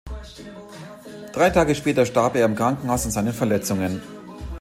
Drei Tage später starb er im Krankenhaus an seinen Verletzungen.